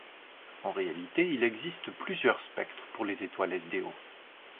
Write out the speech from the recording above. En réalité, il existe plusieurs spectres pour les étoiles sdO.